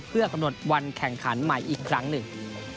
เพื่อกำหนดวันแข่งขันใหม่อีกครั้งหนึ่ง